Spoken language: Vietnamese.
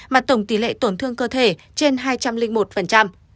mà tổng tỷ lệ tổn thương cơ thể trên hai trăm linh một